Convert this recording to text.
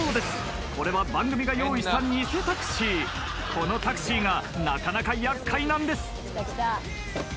このタクシーがなかなかやっかいなんです。